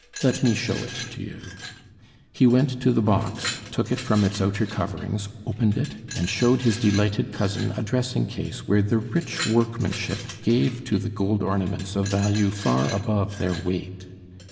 Let me show it to you." He went to the box, took it from its outer coverings, opened it, and showed his delighted cousin a dressing case where the rich workmanship gave to the gold ornaments a value far above their weight.